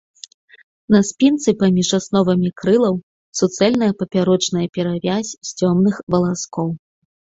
На спінцы паміж асновамі крылаў суцэльная папярочная перавязь з цёмных валаскоў.